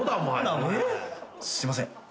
すいません。